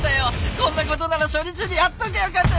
こんなことなら初日にやっときゃよかったよ